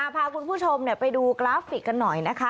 พาคุณผู้ชมไปดูกราฟิกกันหน่อยนะคะ